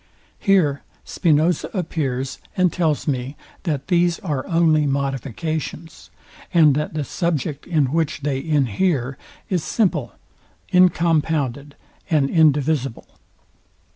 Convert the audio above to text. Here Spinoza appears, and tells me, that these are only modifications; and that the subject, in which they inhere, is simple, incompounded, and indivisible.